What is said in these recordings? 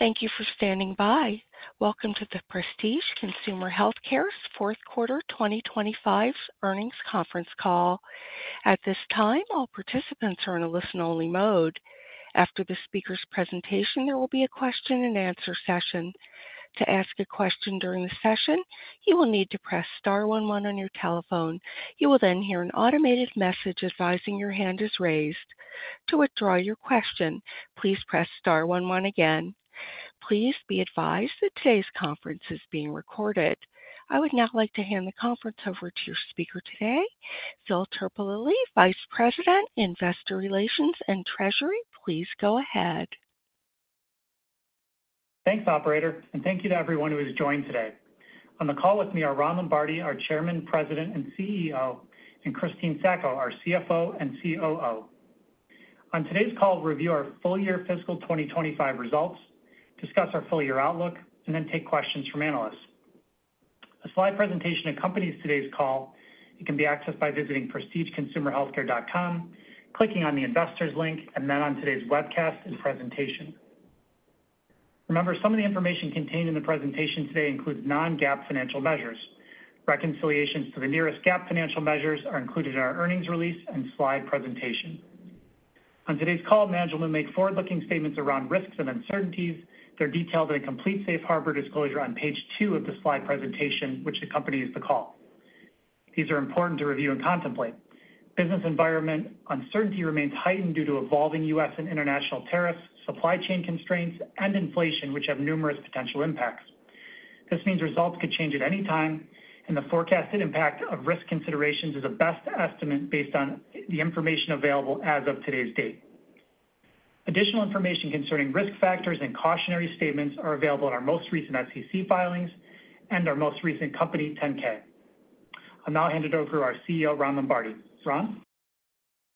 Thank you for standing by. Welcome to the Prestige Consumer Healthcare's Fourth Quarter 2025 earnings conference call. At this time, all participants are in a listen-only mode. After the speaker's presentation, there will be a question-and-answer session. To ask a question during the session, you will need to press star one one on your telephone. You will then hear an automated message advising your hand is raised. To withdraw your question, please press star one one again. Please be advised that today's conference is being recorded. I would now like to hand the conference over to your speaker today, Phil Terpolilli, Vice President, Investor Relations and Treasury. Please go ahead. Thanks, Operator, and thank you to everyone who has joined today. On the call with me are Ron Lombardi, our Chairman, President, and CEO, and Christine Sacco, our CFO and COO. On today's call, we'll review our full-year fiscal 2025 results, discuss our full-year outlook, and then take questions from analysts. A slide presentation accompanies today's call. It can be accessed by visiting prestigeconsumerhealthcare.com, clicking on the investors link, and then on today's webcast and presentation. Remember, some of the information contained in the presentation today includes non-GAAP financial measures. Reconciliations to the nearest GAAP financial measures are included in our earnings release and slide presentation. On today's call, management will make forward-looking statements around risks and uncertainties. They're detailed in a complete safe harbor disclosure on page two of the slide presentation, which accompanies the call. These are important to review and contemplate. Business environment uncertainty remains heightened due to evolving U.S. and international tariffs, supply chain constraints, and inflation, which have numerous potential impacts. This means results could change at any time, and the forecasted impact of risk considerations is a best estimate based on the information available as of today's date. Additional information concerning risk factors and cautionary statements are available in our most recent SEC filings and our most recent company 10-K. I'm now handing over to our CEO, Ron Lombardi. Ron?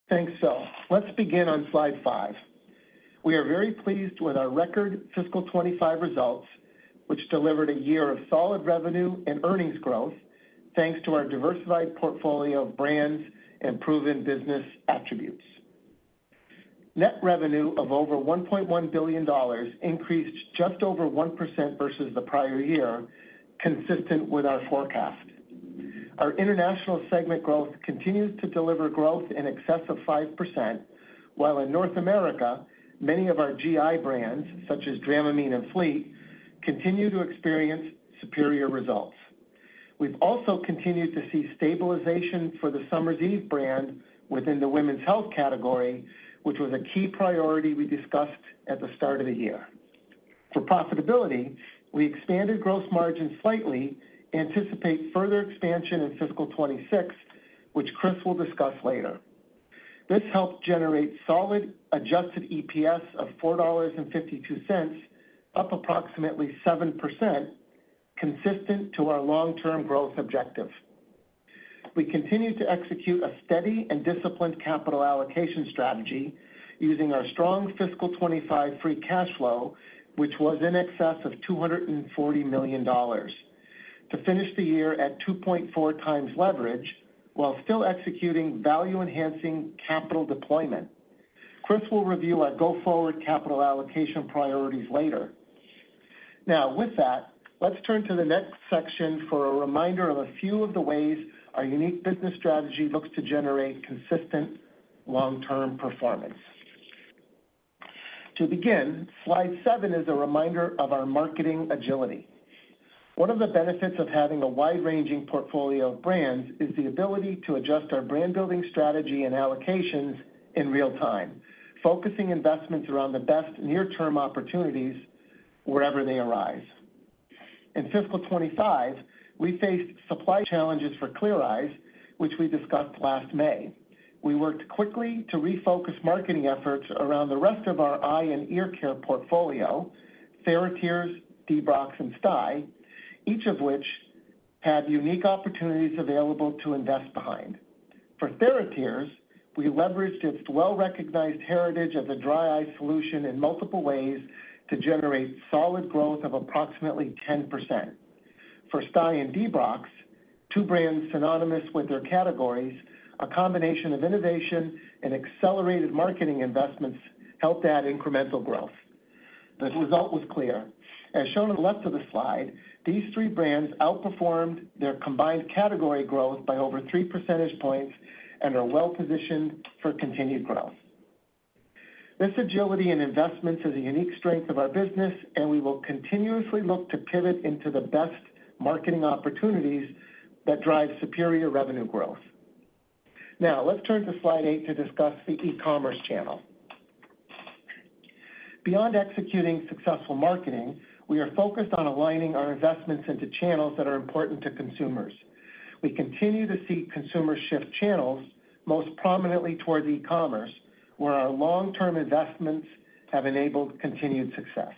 Thanks, Phil. Let's begin on slide five. We are very pleased with our record fiscal 2025 results, which delivered a year of solid revenue and earnings growth thanks to our diversified portfolio of brands and proven business attributes. Net revenue of over $1.1 billion increased just over 1% versus the prior year, consistent with our forecast. Our international segment growth continues to deliver growth in excess of 5%, while in North America, many of our GI brands, such as Dramamine and Fleet, continue to experience superior results. We've also continued to see stabilization for the Summer's Eve brand within the women's health category, which was a key priority we discussed at the start of the year. For profitability, we expanded gross margins slightly, anticipate further expansion in fiscal 2026, which Chris will discuss later. This helped generate solid adjusted EPS of $4.52, up approximately 7%, consistent to our long-term growth objective. We continue to execute a steady and disciplined capital allocation strategy using our strong fiscal 2025 free cash flow, which was in excess of $240 million, to finish the year at 2.4x leverage while still executing value-enhancing capital deployment. Chris will review our go-forward capital allocation priorities later. Now, with that, let's turn to the next section for a reminder of a few of the ways our unique business strategy looks to generate consistent long-term performance. To begin, slide seven is a reminder of our marketing agility. One of the benefits of having a wide-ranging portfolio of brands is the ability to adjust our brand-building strategy and allocations in real time, focusing investments around the best near-term opportunities wherever they arise. In fiscal 2025, we faced supply challenges for Clear Eyes, which we discussed last May. We worked quickly to refocus marketing efforts around the rest of our eye and ear care portfolio, TheraTears, Debrox, and STYEE, each of which had unique opportunities available to invest behind. For TheraTears, we leveraged its well-recognized heritage as a dry eye solution in multiple ways to generate solid growth of approximately 10%. For STYE and Debrox, two brands synonymous with their categories, a combination of innovation and accelerated marketing investments helped add incremental growth. The result was clear. As shown on the left of the slide, these three brands outperformed their combined category growth by over three percentage points and are well-positioned for continued growth. This agility in investments is a unique strength of our business, and we will continuously look to pivot into the best marketing opportunities that drive superior revenue growth. Now, let's turn to slide eight to discuss the e-commerce channel. Beyond executing successful marketing, we are focused on aligning our investments into channels that are important to consumers. We continue to see consumers shift channels, most prominently toward e-commerce, where our long-term investments have enabled continued success.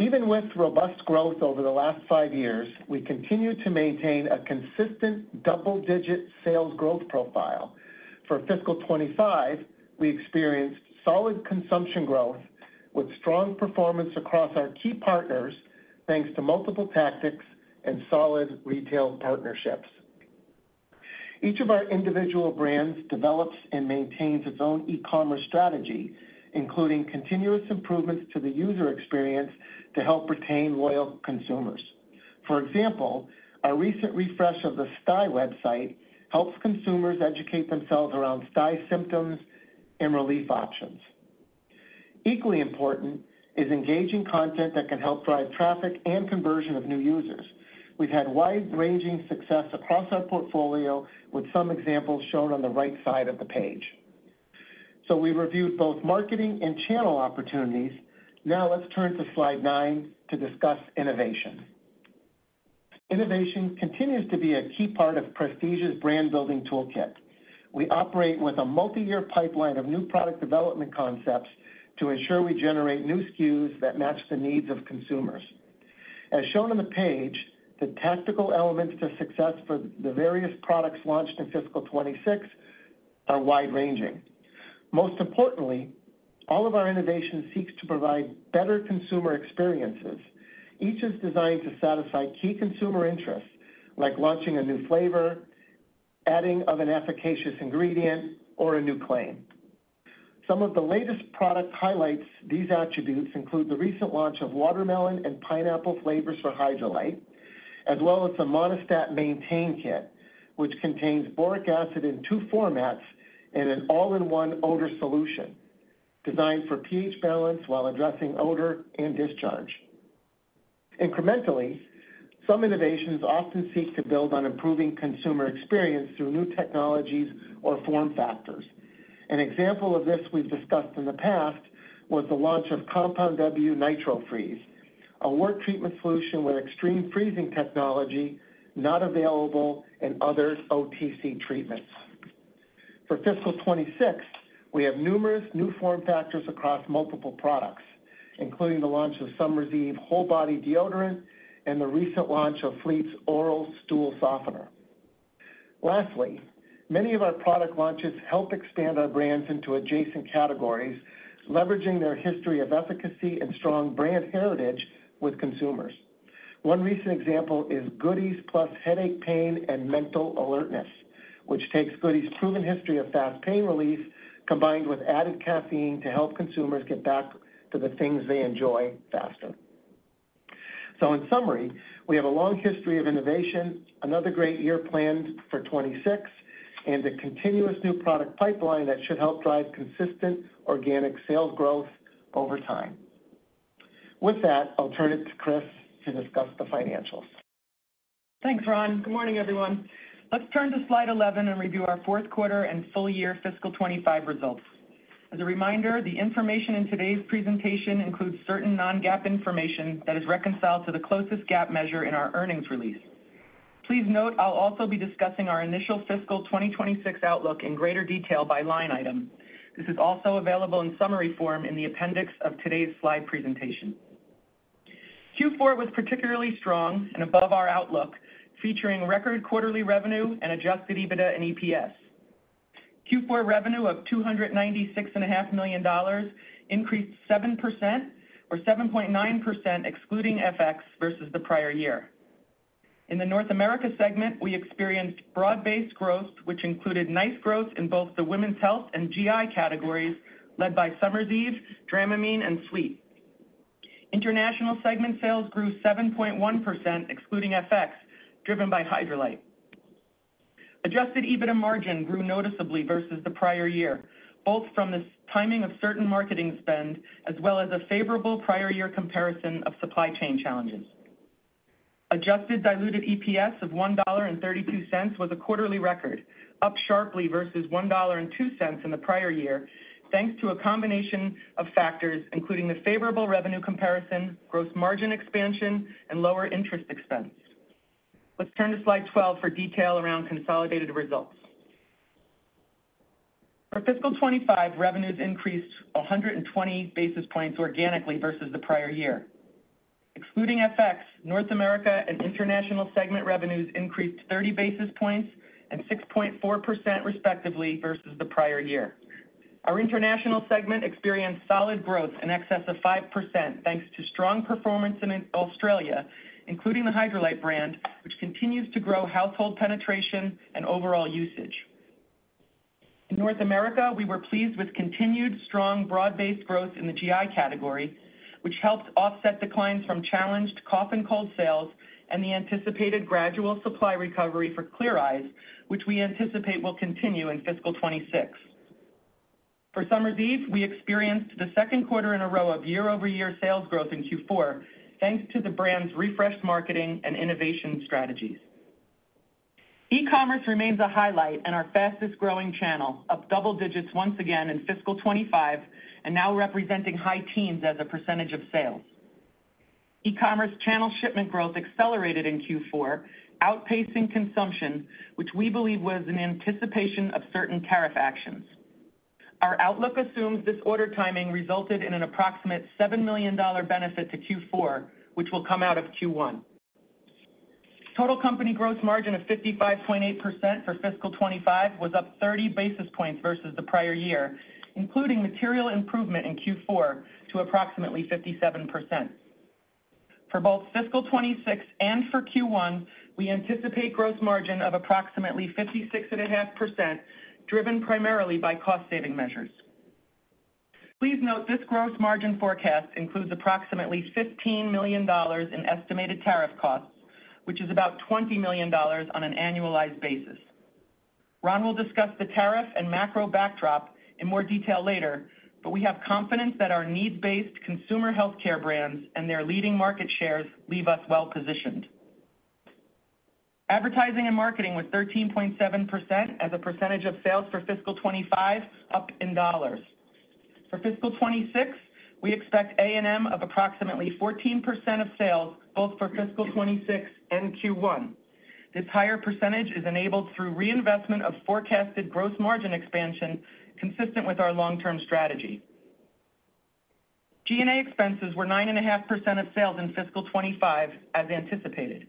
Even with robust growth over the last five years, we continue to maintain a consistent double-digit sales growth profile. For fiscal 2025, we experienced solid consumption growth with strong performance across our key partners, thanks to multiple tactics and solid retail partnerships. Each of our individual brands develops and maintains its own e-commerce strategy, including continuous improvements to the user experience to help retain loyal consumers. For example, our recent refresh of the STYE website helps consumers educate themselves around STYE symptoms and relief options. Equally important is engaging content that can help drive traffic and conversion of new users. We've had wide-ranging success across our portfolio, with some examples shown on the right side of the page. We reviewed both marketing and channel opportunities. Now, let's turn to slide nine to discuss innovation. Innovation continues to be a key part of Prestige's brand-building toolkit. We operate with a multi-year pipeline of new product development concepts to ensure we generate new SKUs that match the needs of consumers. As shown on the page, the tactical elements to success for the various products launched in fiscal 2026 are wide-ranging. Most importantly, all of our innovation seeks to provide better consumer experiences. Each is designed to satisfy key consumer interests, like launching a new flavor, adding an efficacious ingredient, or a new claim. Some of the latest product highlights these attributes include the recent launch of watermelon and pineapple flavors for Hydralyte, as well as the Monistat Maintain Kit, which contains boric acid in two formats and an all-in-one odor solution designed for pH balance while addressing odor and discharge. Incrementally, some innovations often seek to build on improving consumer experience through new technologies or form factors. An example of this we have discussed in the past was the launch of Compound W NitroFreeze, a wart treatment solution with extreme freezing technology not available in other OTC treatments. For fiscal 2026, we have numerous new form factors across multiple products, including the launch of Summer's Eve Whole Body Deodorant and the recent launch of Fleet Oral Stool Softener. Lastly, many of our product launches help expand our brands into adjacent categories, leveraging their history of efficacy and strong brand heritage with consumers. One recent example is Goody's PLUS Headache, Pain, and Mental Alertness, which takes Goody's proven history of fast pain relief, combined with added caffeine to help consumers get back to the things they enjoy faster. In summary, we have a long history of innovation, another great year planned for 2026, and a continuous new product pipeline that should help drive consistent organic sales growth over time. With that, I'll turn it to Christine to discuss the financials. Thanks, Ron. Good morning, everyone. Let's turn to slide 11 and review our fourth quarter and full-year fiscal 2025 results. As a reminder, the information in today's presentation includes certain non-GAAP information that is reconciled to the closest GAAP measure in our earnings release. Please note I'll also be discussing our initial fiscal 2026 outlook in greater detail by line item. This is also available in summary form in the appendix of today's slide presentation. Q4 was particularly strong and above our outlook, featuring record quarterly revenue and adjusted EBITDA and EPS. Q4 revenue of $296.5 million increased 7%, or 7.9% excluding FX versus the prior year. In the North America segment, we experienced broad-based growth, which included nice growth in both the women's health and GI categories, led by Summer's Eve, Dramamine, and Fleet. International segment sales grew 7.1% excluding FX, driven by Hydralyte. Adjusted EBITDA margin grew noticeably versus the prior year, both from the timing of certain marketing spend as well as a favorable prior-year comparison of supply chain challenges. Adjusted diluted EPS of $1.32 was a quarterly record, up sharply versus $1.02 in the prior year, thanks to a combination of factors, including the favorable revenue comparison, gross margin expansion, and lower interest expense. Let's turn to slide 12 for detail around consolidated results. For fiscal 2025, revenues increased 120 basis points organically versus the prior year. Excluding FX, North America and international segment revenues increased 30 basis points and 6.4%, respectively, versus the prior year. Our international segment experienced solid growth in excess of 5%, thanks to strong performance in Australia, including the Hydralyte brand, which continues to grow household penetration and overall usage. In North America, we were pleased with continued strong broad-based growth in the GI category, which helped offset declines from challenged cough and cold sales and the anticipated gradual supply recovery for Clear Eyes, which we anticipate will continue in fiscal 2026. For Summer's Eve, we experienced the second quarter in a row of year-over-year sales growth in Q4, thanks to the brand's refreshed marketing and innovation strategies. E-commerce remains a highlight and our fastest-growing channel, up double digits once again in fiscal 2025, and now representing high teens as a percentage of sales. E-commerce channel shipment growth accelerated in Q4, outpacing consumption, which we believe was in anticipation of certain tariff actions. Our outlook assumes this order timing resulted in an approximate $7 million benefit to Q4, which will come out of Q1. Total company gross margin of 55.8% for fiscal 2025 was up 30 basis points versus the prior year, including material improvement in Q4 to approximately 57%. For both fiscal 2026 and for Q1, we anticipate gross margin of approximately 56.5%, driven primarily by cost-saving measures. Please note this gross margin forecast includes approximately $15 million in estimated tariff costs, which is about $20 million on an annualized basis. Ron will discuss the tariff and macro backdrop in more detail later, but we have confidence that our needs-based consumer healthcare brands and their leading market shares leave us well-positioned. Advertising and marketing was 13.7% as a percentage of sales for fiscal 2025, up in dollars. For fiscal 2026, we expect A&M of approximately 14% of sales, both for fiscal 2026 and Q1. This higher percentage is enabled through reinvestment of forecasted gross margin expansion, consistent with our long-term strategy. G&A expenses were 9.5% of sales in fiscal 2025, as anticipated.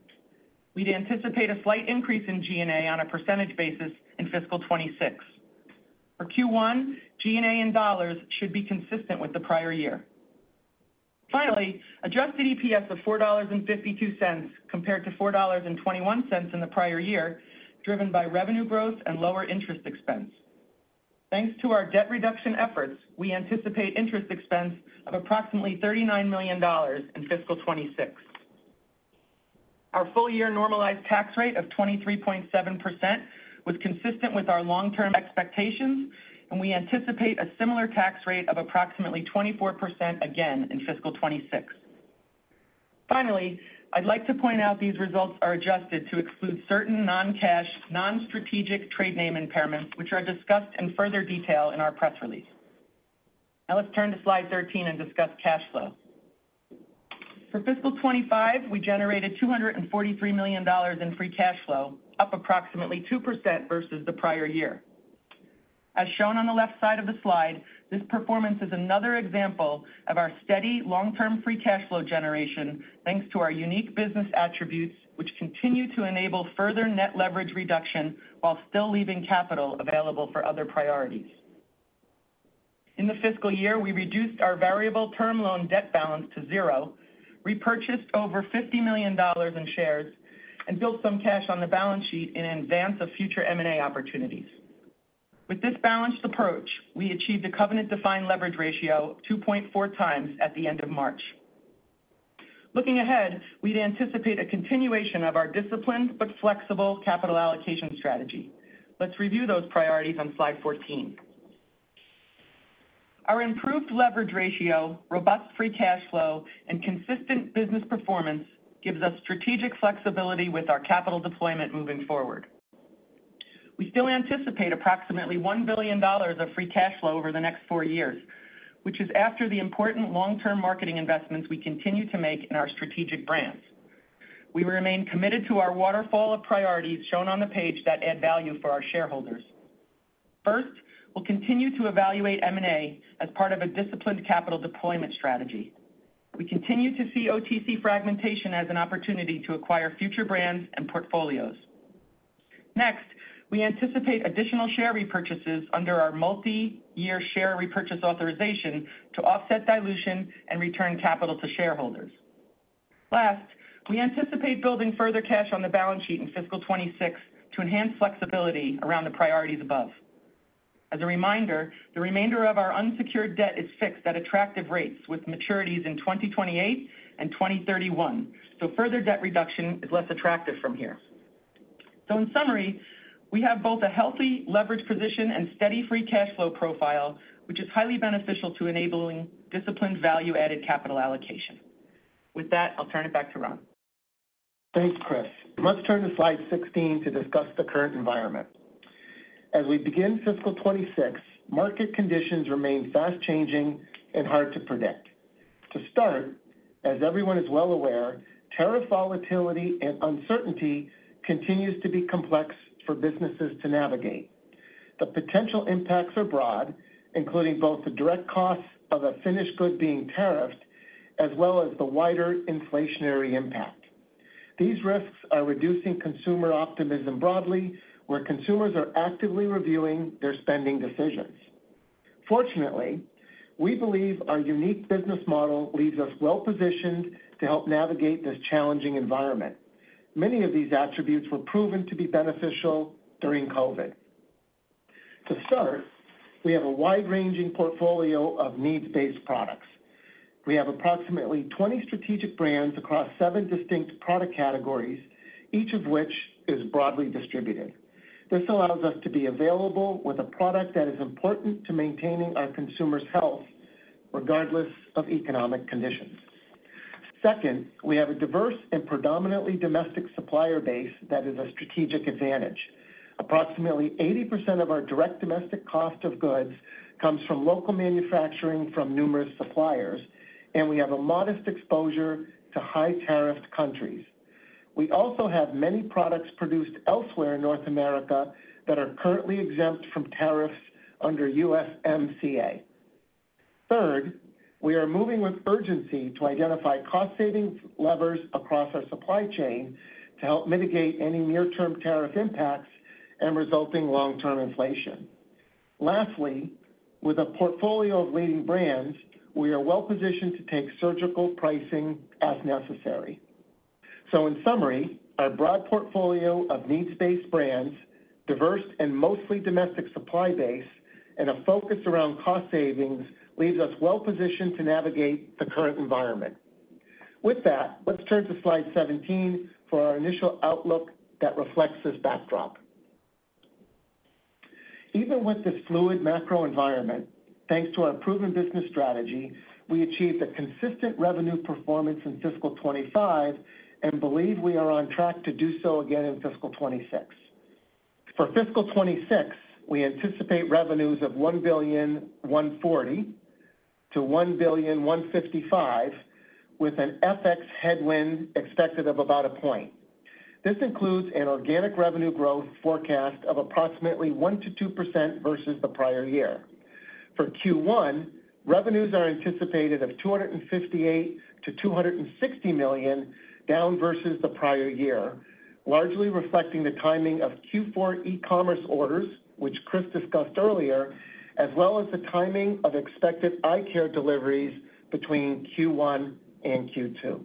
We'd anticipate a slight increase in G&A on a percentage basis in fiscal 2026. For Q1, G&A in dollars should be consistent with the prior year. Finally, adjusted EPS of $4.52 compared to $4.21 in the prior year, driven by revenue growth and lower interest expense. Thanks to our debt reduction efforts, we anticipate interest expense of approximately $39 million in fiscal 2026. Our full-year normalized tax rate of 23.7% was consistent with our long-term expectations, and we anticipate a similar tax rate of approximately 24% again in fiscal 2026. Finally, I'd like to point out these results are adjusted to exclude certain non-cash, non-strategic trade name impairments, which are discussed in further detail in our press release. Now, let's turn to slide 13 and discuss cash flow. For fiscal 2025, we generated $243 million in free cash flow, up approximately 2% versus the prior year. As shown on the left side of the slide, this performance is another example of our steady long-term free cash flow generation, thanks to our unique business attributes, which continue to enable further net leverage reduction while still leaving capital available for other priorities. In the fiscal year, we reduced our variable term loan debt balance to zero, repurchased over $50 million in shares, and built some cash on the balance sheet in advance of future M&A opportunities. With this balanced approach, we achieved a covenant-defined leverage ratio of 2.4x at the end of March. Looking ahead, we'd anticipate a continuation of our disciplined but flexible capital allocation strategy. Let's review those priorities on slide 14. Our improved leverage ratio, robust free cash flow, and consistent business performance gives us strategic flexibility with our capital deployment moving forward. We still anticipate approximately $1 billion of free cash flow over the next four years, which is after the important long-term marketing investments we continue to make in our strategic brands. We remain committed to our waterfall of priorities shown on the page that add value for our shareholders. First, we'll continue to evaluate M&A as part of a disciplined capital deployment strategy. We continue to see OTC fragmentation as an opportunity to acquire future brands and portfolios. Next, we anticipate additional share repurchases under our multi-year share repurchase authorization to offset dilution and return capital to shareholders. Last, we anticipate building further cash on the balance sheet in fiscal 2026 to enhance flexibility around the priorities above. As a reminder, the remainder of our unsecured debt is fixed at attractive rates with maturities in 2028 and 2031, so further debt reduction is less attractive from here. In summary, we have both a healthy leverage position and steady free cash flow profile, which is highly beneficial to enabling disciplined value-added capital allocation. With that, I'll turn it back to Ron. Thanks, Chris. Let's turn to slide 16 to discuss the current environment. As we begin fiscal 2026, market conditions remain fast-changing and hard to predict. To start, as everyone is well aware, tariff volatility and uncertainty continues to be complex for businesses to navigate. The potential impacts are broad, including both the direct costs of a finished good being tariffed, as well as the wider inflationary impact. These risks are reducing consumer optimism broadly, where consumers are actively reviewing their spending decisions. Fortunately, we believe our unique business model leaves us well-positioned to help navigate this challenging environment. Many of these attributes were proven to be beneficial during COVID. To start, we have a wide-ranging portfolio of needs-based products. We have approximately 20 strategic brands across seven distinct product categories, each of which is broadly distributed. This allows us to be available with a product that is important to maintaining our consumers' health, regardless of economic conditions. Second, we have a diverse and predominantly domestic supplier base that is a strategic advantage. Approximately 80% of our direct domestic cost of goods comes from local manufacturing from numerous suppliers, and we have a modest exposure to high-tariffed countries. We also have many products produced elsewhere in North America that are currently exempt from tariffs under USMCA. Third, we are moving with urgency to identify cost-saving levers across our supply chain to help mitigate any near-term tariff impacts and resulting long-term inflation. Lastly, with a portfolio of leading brands, we are well-positioned to take surgical pricing as necessary. In summary, our broad portfolio of needs-based brands, diverse and mostly domestic supply base, and a focus around cost savings leaves us well-positioned to navigate the current environment. With that, let's turn to slide 17 for our initial outlook that reflects this backdrop. Even with this fluid macro environment, thanks to our proven business strategy, we achieved a consistent revenue performance in fiscal 2025 and believe we are on track to do so again in fiscal 2026. For fiscal 2026, we anticipate revenues of $1.140 billion-$1.155 billion, with an FX headwind expected of about 1%. This includes an organic revenue growth forecast of approximately 1%-2% versus the prior year. For Q1, revenues are anticipated of $258 million-$260 million, down versus the prior year, largely reflecting the timing of Q4 e-commerce orders, which Christine discussed earlier, as well as the timing of expected eye care deliveries between Q1 and Q2.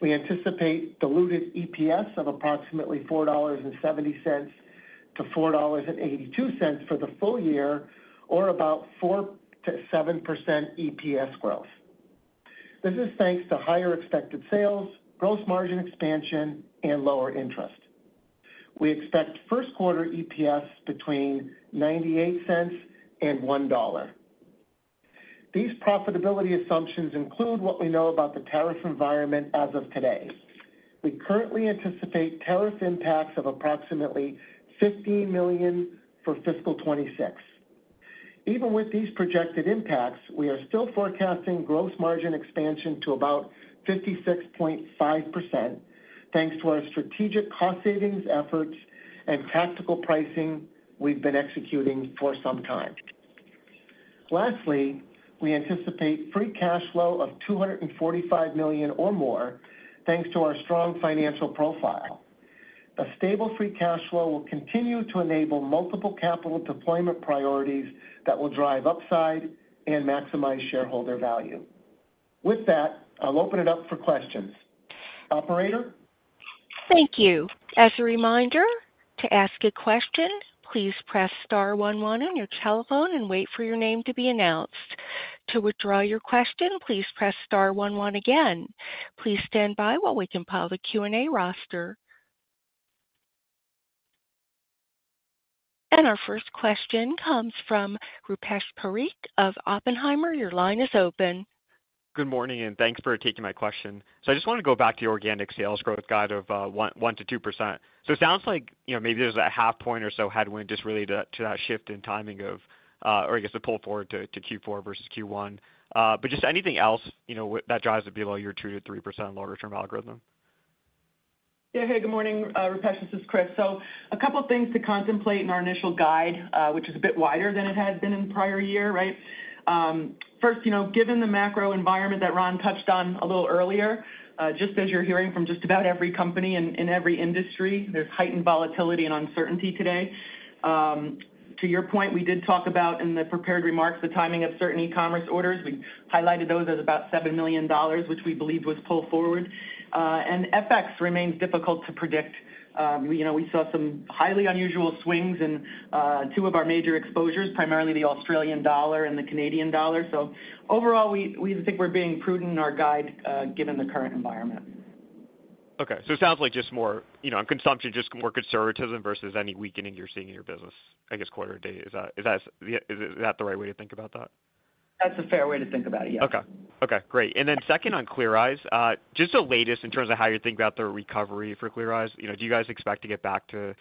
We anticipate diluted EPS of approximately $4.70-$4.82 for the full year, or about 4%-7% EPS growth. This is thanks to higher expected sales, gross margin expansion, and lower interest. We expect first-quarter EPS between $0.98 and $1. These profitability assumptions include what we know about the tariff environment as of today. We currently anticipate tariff impacts of approximately $15 million for fiscal 2026. Even with these projected impacts, we are still forecasting gross margin expansion to about 56.5%, thanks to our strategic cost-savings efforts and tactical pricing we've been executing for some time. Lastly, we anticipate free cash flow of $245 million or more, thanks to our strong financial profile. A stable free cash flow will continue to enable multiple capital deployment priorities that will drive upside and maximize shareholder value. With that, I'll open it up for questions. Operator? Thank you. As a reminder, to ask a question, please press star 11 on your telephone and wait for your name to be announced. To withdraw your question, please press star 11 again. Please stand by while we compile the Q&A roster. Our first question comes from Rupesh Parikh of Oppenheimer. Your line is open. Good morning, and thanks for taking my question. I just wanted to go back to the organic sales growth guide of 1%-2%. It sounds like maybe there's a half point or so headwind just related to that shift in timing of, or I guess, the pull forward to Q4 versus Q1. Just anything else that drives it below your 2%-3% longer-term algorithm? Yeah. Hey, good morning. Rupesh, this is Chris. So a couple of things to contemplate in our initial guide, which is a bit wider than it had been in the prior year. Right? First, given the macro environment that Ron touched on a little earlier, just as you're hearing from just about every company in every industry, there's heightened volatility and uncertainty today. To your point, we did talk about in the prepared remarks the timing of certain e-commerce orders. We highlighted those as about $7 million, which we believe was pulled forward. And FX remains difficult to predict. We saw some highly unusual swings in two of our major exposures, primarily the Australian dollar and the Canadian dollar. So overall, we think we're being prudent in our guide given the current environment. Okay. So it sounds like just more on consumption, just more conservatism versus any weakening you're seeing in your business, I guess, quarter to date. Is that the right way to think about that? That's a fair way to think about it, yes. Okay. Okay. Great. Then second on Clear Eyes, just the latest in terms of how you're thinking about the recovery for Clear Eyes, do you guys expect to get back to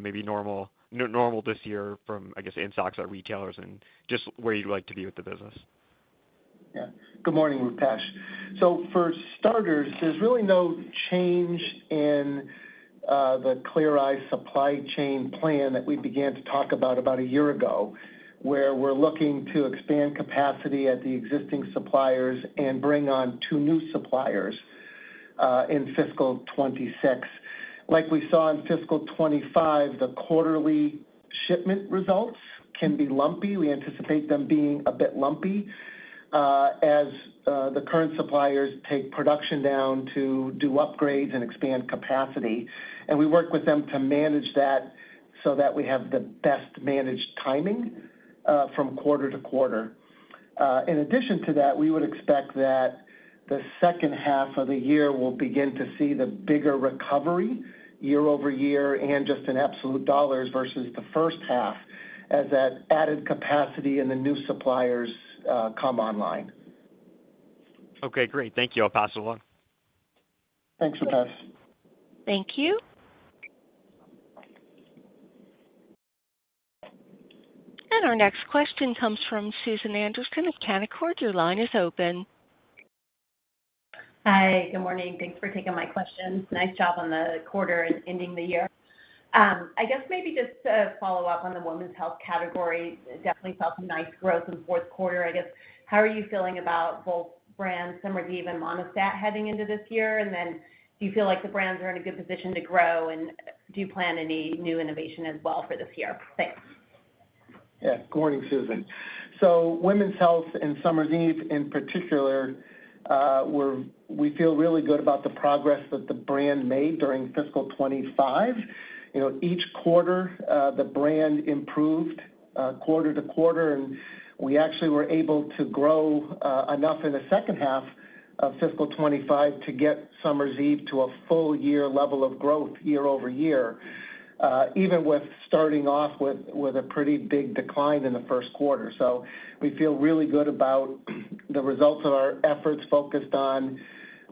maybe normal this year from, I guess, in stocks at retailers and just where you'd like to be with the business? Yeah. Good morning, Rupesh. For starters, there's really no change in the Clear Eyes supply chain plan that we began to talk about about a year ago, where we're looking to expand capacity at the existing suppliers and bring on two new suppliers in fiscal 2026. Like we saw in fiscal 2025, the quarterly shipment results can be lumpy. We anticipate them being a bit lumpy as the current suppliers take production down to do upgrades and expand capacity. We work with them to manage that so that we have the best managed timing from quarter to quarter. In addition to that, we would expect that the second half of the year will begin to see the bigger recovery year-over-year and just in absolute dollars versus the first half as that added capacity and the new suppliers come online. Okay. Great. Thank you. I'll pass it along. Thanks, Rupesh. Thank you. Our next question comes from Susan Anderson of Canaccord. Your line is open. Hi. Good morning. Thanks for taking my questions. Nice job on the quarter and ending the year. I guess maybe just to follow up on the women's health category, definitely saw some nice growth in fourth quarter. I guess, how are you feeling about both brands, Summer's Eve and Monistat, heading into this year? Do you feel like the brands are in a good position to grow? Do you plan any new innovation as well for this year? Thanks. Yeah. Good morning, Susan. Women's Health and Summer's Eve in particular, we feel really good about the progress that the brand made during fiscal 2025. Each quarter, the brand improved quarter to quarter, and we actually were able to grow enough in the second half of fiscal 2025 to get Summer's Eve to a full-year level of growth year-over-year, even with starting off with a pretty big decline in the first quarter. We feel really good about the results of our efforts focused on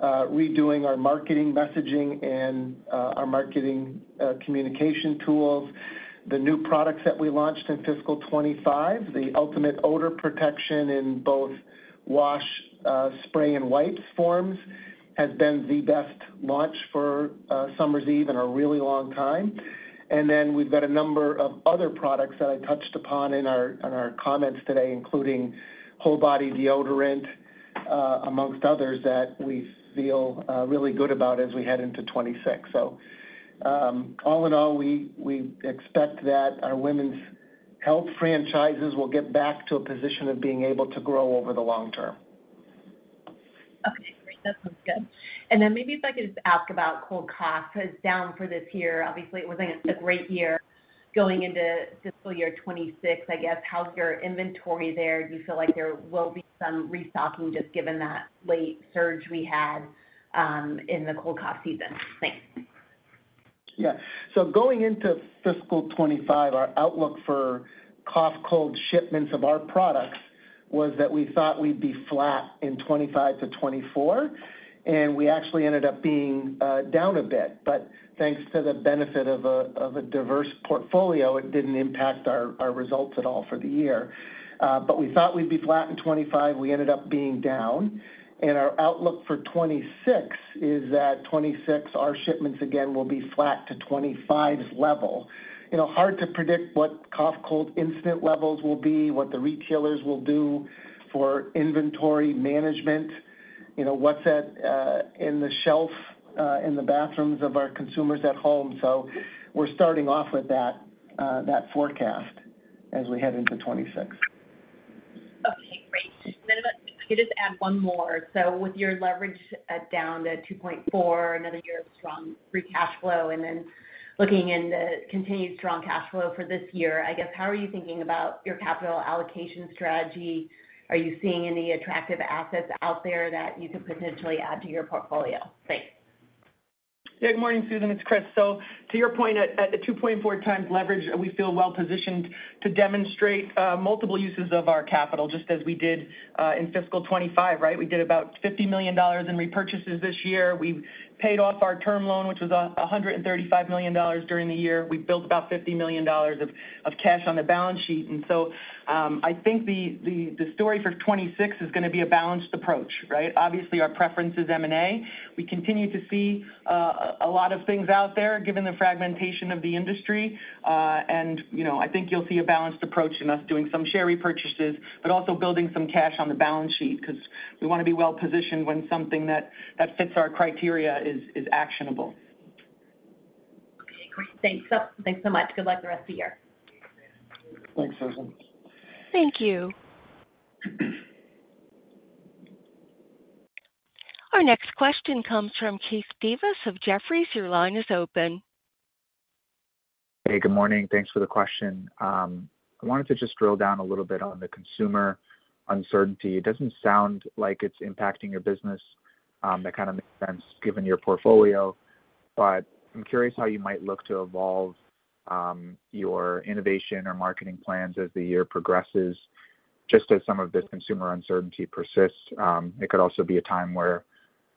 redoing our marketing messaging and our marketing communication tools. The new products that we launched in fiscal 2025, the ultimate odor protection in both wash, spray, and wipe forms, has been the best launch for Summer's Eve in a really long time. We have a number of other products that I touched upon in our comments today, including Whole Body Deodorant, amongst others that we feel really good about as we head into 2026. All in all, we expect that our women's health franchises will get back to a position of being able to grow over the long term. Okay. Great. That sounds good. Maybe if I could just ask about cold coffee, because it's down for this year. Obviously, it wasn't a great year going into fiscal year 2026. I guess, how's your inventory there? Do you feel like there will be some restocking just given that late surge we had in the cold coffee season? Thanks. Yeah. Going into fiscal 2025, our outlook for cough and cold shipments of our products was that we thought we'd be flat in 2025 to 2024, and we actually ended up being down a bit. Thanks to the benefit of a diverse portfolio, it didn't impact our results at all for the year. We thought we'd be flat in 2025. We ended up being down. Our outlook for 2026 is that 2026, our shipments again will be flat to 2025's level. Hard to predict what cough and cold incident levels will be, what the retailers will do for inventory management, what's in the shelf in the bathrooms of our consumers at home. We're starting off with that forecast as we head into 2026. Okay. Great. If I could just add one more. With your leverage down to 2.4x, another year of strong free cash flow, and then looking into continued strong cash flow for this year, I guess, how are you thinking about your capital allocation strategy? Are you seeing any attractive assets out there that you could potentially add to your portfolio? Thanks. Yeah. Good morning, Susan. It's Chris. To your point, at the 2.4x leverage, we feel well-positioned to demonstrate multiple uses of our capital, just as we did in fiscal 2025. Right? We did about $50 million in repurchases this year. We paid off our term loan, which was $135 million during the year. We built about $50 million of cash on the balance sheet. I think the story for 2026 is going to be a balanced approach. Right? Obviously, our preference is M&A. We continue to see a lot of things out there, given the fragmentation of the industry. I think you'll see a balanced approach in us doing some share repurchases, but also building some cash on the balance sheet, because we want to be well-positioned when something that fits our criteria is actionable. Okay. Great. Thanks so much. Good luck the rest of the year. Thanks, Susan. Thank you. Our next question comes from Keith Devas of Jefferies. Your line is open. Hey. Good morning. Thanks for the question. I wanted to just drill down a little bit on the consumer uncertainty. It does not sound like it is impacting your business. That kind of makes sense, given your portfolio. I am curious how you might look to evolve your innovation or marketing plans as the year progresses, just as some of this consumer uncertainty persists. It could also be a time where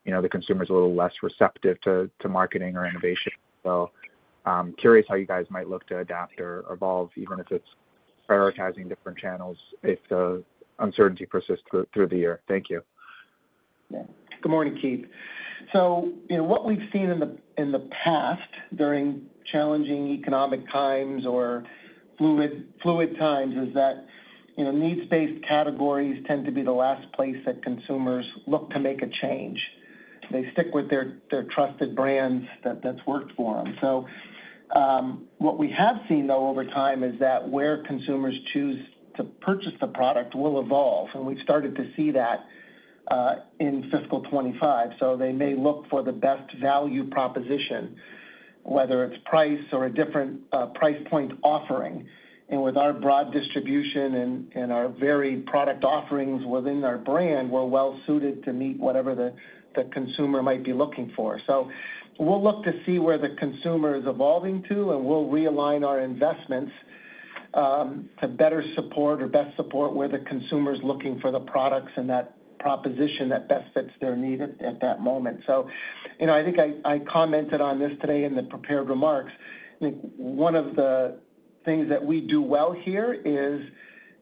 the consumer is a little less receptive to marketing or innovation. I am curious how you guys might look to adapt or evolve, even if it is prioritizing different channels, if the uncertainty persists through the year. Thank you. Yeah. Good morning, Keith. What we've seen in the past during challenging economic times or fluid times is that needs-based categories tend to be the last place that consumers look to make a change. They stick with their trusted brands that have worked for them. What we have seen, though, over time is that where consumers choose to purchase the product will evolve. We've started to see that in fiscal 2025. They may look for the best value proposition, whether it's price or a different price point offering. With our broad distribution and our varied product offerings within our brand, we're well-suited to meet whatever the consumer might be looking for. We'll look to see where the consumer is evolving to, and we'll realign our investments to better support or best support where the consumer is looking for the products and that proposition that best fits their need at that moment. I think I commented on this today in the prepared remarks. I think one of the things that we do well here is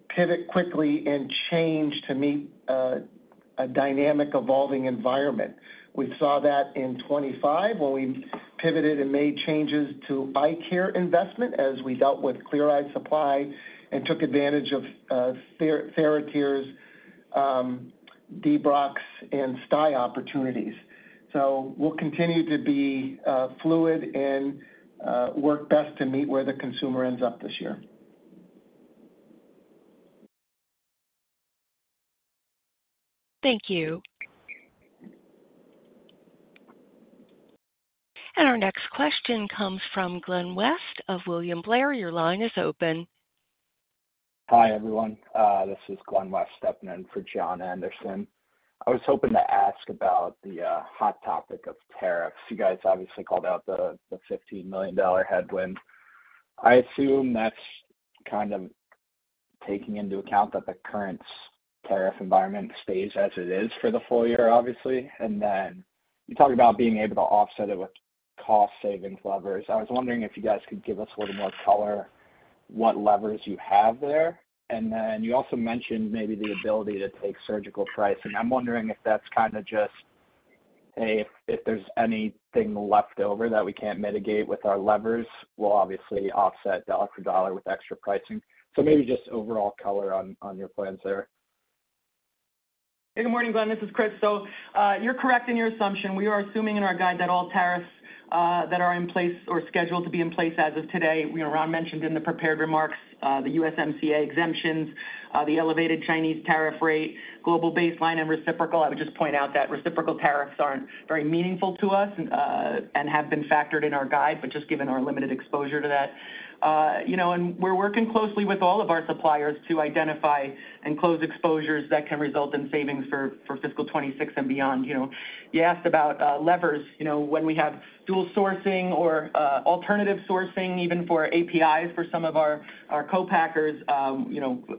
pivot quickly and change to meet a dynamic evolving environment. We saw that in 2025 when we pivoted and made changes to eye care investment as we dealt with Clear Eyes supply and took advantage of TheraTears, Debrox, and STYE opportunities. We'll continue to be fluid and work best to meet where the consumer ends up this year. Thank you. Our next question comes from Glenn West of William Blair. Your line is open. Hi, everyone. This is Glenn West stepping in for John Anderson. I was hoping to ask about the hot topic of tariffs. You guys obviously called out the $15 million headwind. I assume that's kind of taking into account that the current tariff environment stays as it is for the full year, obviously. You talk about being able to offset it with cost savings levers. I was wondering if you guys could give us a little more color what levers you have there. You also mentioned maybe the ability to take surgical pricing. I'm wondering if that's kind of just, hey, if there's anything left over that we can't mitigate with our levers, we'll obviously offset dollar for dollar with extra pricing. Maybe just overall color on your plans there. Hey. Good morning, Glenn. This is Chris. So you're correct in your assumption. We are assuming in our guide that all tariffs that are in place or scheduled to be in place as of today, Ron mentioned in the prepared remarks, the USMCA exemptions, the elevated Chinese tariff rate, global baseline, and reciprocal. I would just point out that reciprocal tariffs aren't very meaningful to us and have been factored in our guide, just given our limited exposure to that. We're working closely with all of our suppliers to identify and close exposures that can result in savings for fiscal 2026 and beyond. You asked about levers. When we have dual sourcing or alternative sourcing, even for APIs for some of our co-packers,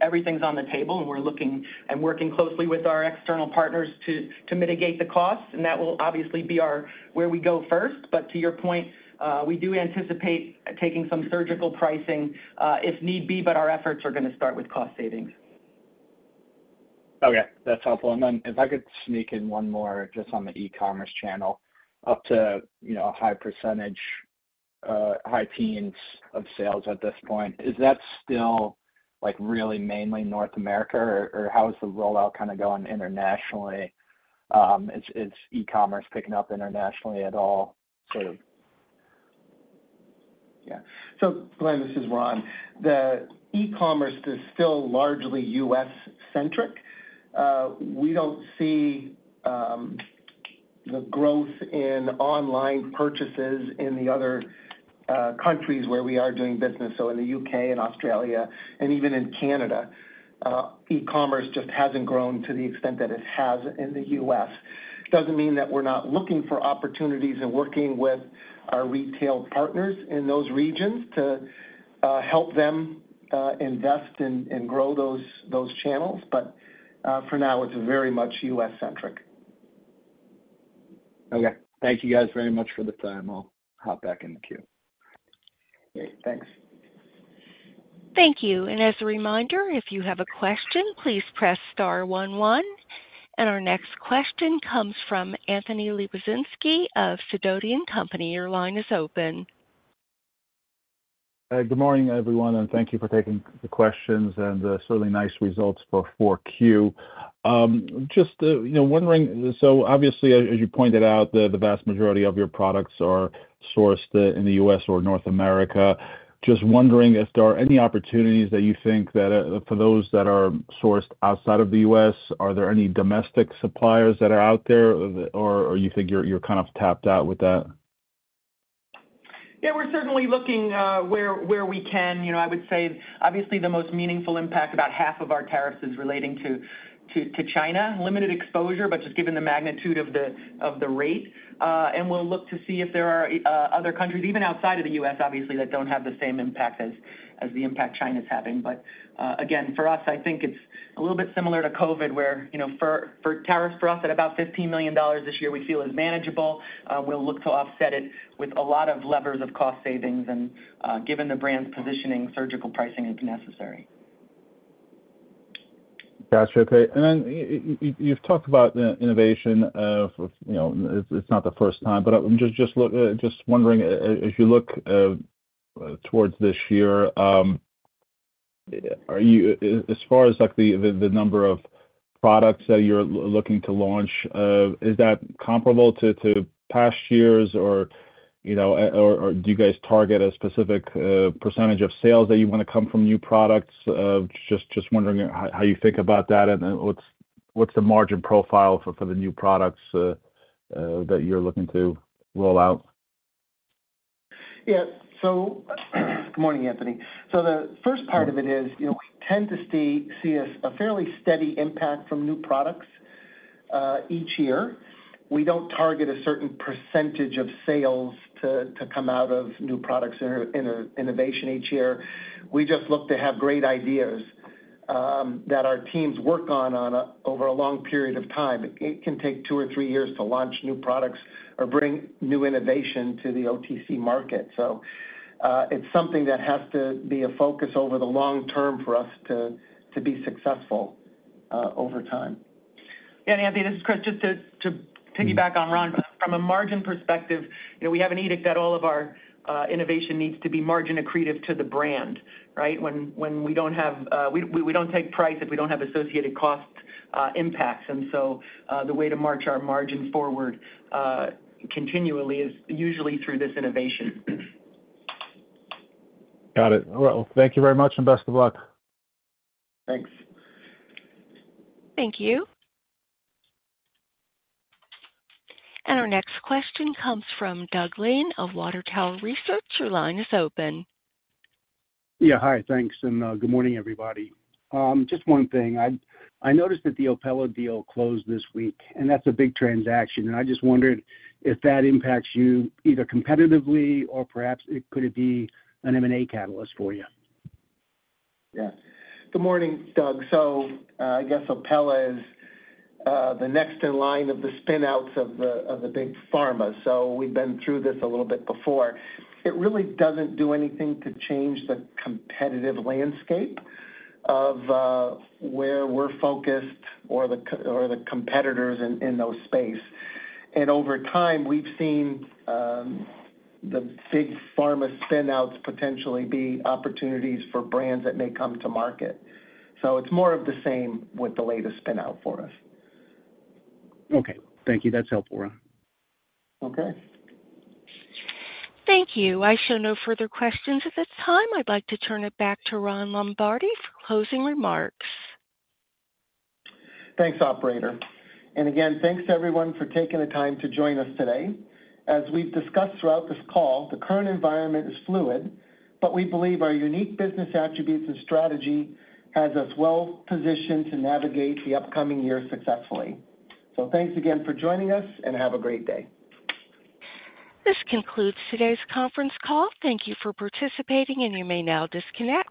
everything's on the table, and we're looking and working closely with our external partners to mitigate the costs. That will obviously be where we go first. To your point, we do anticipate taking some surgical pricing if need be, but our efforts are going to start with cost savings. Okay. That's helpful. If I could sneak in one more just on the e-commerce channel, up to a high percentage, high teens of sales at this point, is that still really mainly North America, or how is the rollout kind of going internationally? Is e-commerce picking up internationally at all, sort of? Yeah. So Glen, this is Ron. The e-commerce is still largely U.S.-centric. We don't see the growth in online purchases in the other countries where we are doing business. In the U.K. and Australia and even in Canada, e-commerce just hasn't grown to the extent that it has in the U.S. Doesn't mean that we're not looking for opportunities and working with our retail partners in those regions to help them invest and grow those channels. For now, it's very much U.S.-centric. Okay. Thank you guys very much for the time. I'll hop back in the queue. Great. Thanks. Thank you. As a reminder, if you have a question, please press star one one. Our next question comes from Anthony Lebiedzinski of SIDOTI & Company. Your line is open. Good morning, everyone. Thank you for taking the questions and the certainly nice results for 4Q. Just wondering, so obviously, as you pointed out, the vast majority of your products are sourced in the U.S. or North America. Just wondering if there are any opportunities that you think that for those that are sourced outside of the U.S., are there any domestic suppliers that are out there, or you think you're kind of tapped out with that? Yeah. We're certainly looking where we can. I would say, obviously, the most meaningful impact, about half of our tariffs is relating to China. Limited exposure, but just given the magnitude of the rate. We'll look to see if there are other countries, even outside of the U.S., obviously, that do not have the same impact as the impact China's having. For us, I think it's a little bit similar to COVID, where for tariffs for us at about $15 million this year, we feel is manageable. We'll look to offset it with a lot of levers of cost savings. Given the brand's positioning, surgical pricing is necessary. Gotcha. Okay. You have talked about the innovation. It's not the first time. I'm just wondering, as you look towards this year, as far as the number of products that you're looking to launch, is that comparable to past years, or do you guys target a specific percentage of sales that you want to come from new products? Just wondering how you think about that and what's the margin profile for the new products that you're looking to roll out. Yeah. Good morning, Anthony. The first part of it is we tend to see a fairly steady impact from new products each year. We do not target a certain percentage of sales to come out of new products in innovation each year. We just look to have great ideas that our teams work on over a long period of time. It can take two or three years to launch new products or bring new innovation to the OTC market. It is something that has to be a focus over the long term for us to be successful over time. Yeah. Anthony, this is Chris. Just to piggyback on Ron, from a margin perspective, we have an edict that all of our innovation needs to be margin accretive to the brand. Right? When we do not have, we do not take price if we do not have associated cost impacts. The way to march our margin forward continually is usually through this innovation. Got it. All right. Thank you very much and best of luck. Thanks. Thank you. Our next question comes from Doug Lane of Watertower Research. Your line is open. Yeah. Hi. Thanks. Good morning, everybody. Just one thing. I noticed that the Opella deal closed this week, and that's a big transaction. I just wondered if that impacts you either competitively or perhaps it could be an M&A catalyst for you. Yeah. Good morning, Doug. I guess Opella is the next in line of the spinouts of the big pharma. We have been through this a little bit before. It really does not do anything to change the competitive landscape of where we are focused or the competitors in those space. Over time, we have seen the big pharma spinouts potentially be opportunities for brands that may come to market. It is more of the same with the latest spinout for us. Okay. Thank you. That's helpful, Ron. Okay. Thank you. I show no further questions at this time. I'd like to turn it back to Ron Lombardi for closing remarks. Thanks, operator. And again, thanks to everyone for taking the time to join us today. As we've discussed throughout this call, the current environment is fluid, but we believe our unique business attributes and strategy has us well-positioned to navigate the upcoming year successfully. Thanks again for joining us, and have a great day. This concludes today's conference call. Thank you for participating, and you may now disconnect.